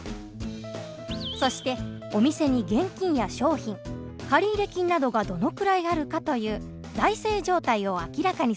そしてお店に現金や商品借入金などがどのくらいあるかという財政状態を明らかにする事。